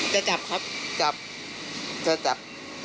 จะจับครับจับจะจับ